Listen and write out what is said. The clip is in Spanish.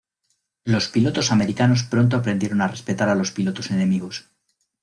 Los pilotos americanos pronto aprendieron a respetar a los pilotos enemigos.